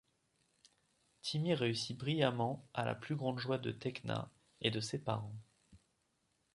Timmy réussi brillamment, à la plus grande joie de Tecna et de ses parents.